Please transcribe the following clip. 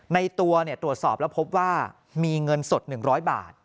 ในตัวตรวจสอบแล้วพบว่ามีเงินสด๑๐๐บาท